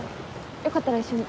よかったら一緒に。